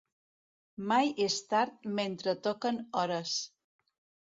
Mai és tard mentre toquen hores.